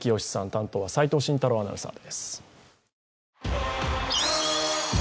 担当は齋藤慎太郎アナウンサーです。